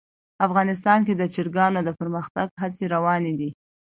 افغانستان کې د چرګانو د پرمختګ هڅې روانې دي.